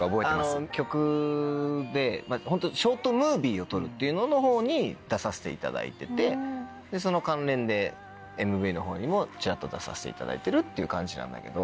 あの曲でショートムービーを撮るっていうののほうに出させていただいててその関連でＭＶのほうにもちらっと出させていただいてるっていう感じなんだけど。